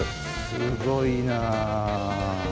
すごいなあ。